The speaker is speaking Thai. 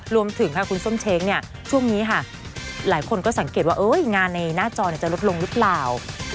รวมถึงค่ะคุณส้มเช้งเนี่ยช่วงนี้ค่ะหลายคนก็สังเกตว่างานในหน้าจอจะลดลงหรือเปล่า